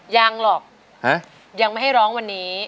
ยังหรอกยังไม่ให้ร้องวันนี้